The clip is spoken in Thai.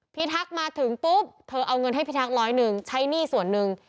ทักมาถึงปุ๊บเธอเอาเงินให้พิทักร้อยหนึ่งใช้หนี้ส่วนหนึ่ง